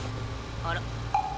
あら？